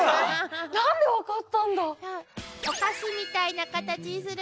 何で分かったんだ。